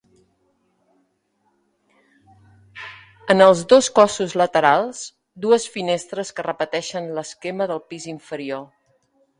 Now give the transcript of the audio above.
En els dos cossos laterals dues finestres que repeteixen l'esquema del pis inferior.